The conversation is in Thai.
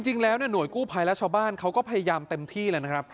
จริงแล้วหน่วยกู้พัยราชบ้านเขาก็พยายามเต็มที่